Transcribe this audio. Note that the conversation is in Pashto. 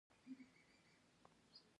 احمد څوری واخيست، ولاړ.